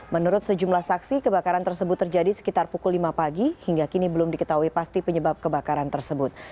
menurut sejumlah saksi kebakaran tersebut terjadi sekitar pukul lima pagi hingga kini belum diketahui pasti penyebab kebakaran tersebut